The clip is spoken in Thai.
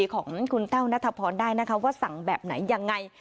ของคุณแต้วนัทพรได้นะคะว่าสั่งแบบไหนยังไง